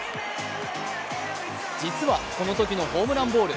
実はこのときのホームランボール